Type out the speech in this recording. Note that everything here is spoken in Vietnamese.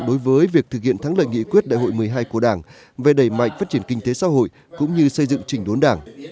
đối với việc thực hiện thắng lợi nghị quyết đại hội một mươi hai của đảng về đẩy mạnh phát triển kinh tế xã hội cũng như xây dựng trình đốn đảng